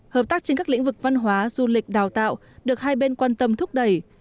hợp tác trên các lĩnh vực văn hóa du lịch đào tạo được hai bên quan tâm thúc đẩy